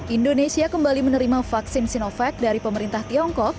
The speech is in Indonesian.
indonesia kembali menerima vaksin sinovac dari pemerintah tiongkok